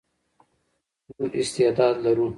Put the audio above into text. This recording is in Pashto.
موږ استعداد لرو.